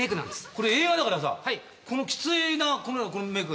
これ映画だからさきついなこのメーク。